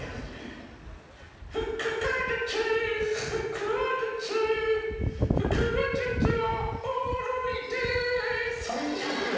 腹歌術腹話術腹話術はおもろいで最悪や。